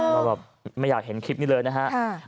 เราแบบไม่อยากเห็นคลิปนี้เลยนะฮะ